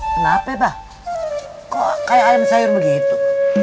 kenapa pak kok kaya ayam sayur begitu